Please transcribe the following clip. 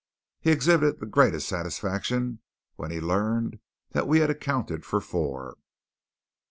He exhibited the greatest satisfaction when he learned that we had accounted for four.